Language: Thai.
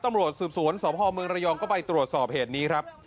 ตำรวจสืบสวนสพเมืองระยองก็ไปตรวจสอบเหตุนี้ครับ